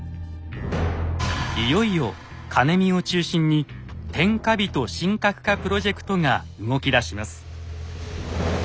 いよいよ兼見を中心に「天下人神格化プロジェクト」が動きだします。